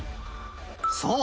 そう！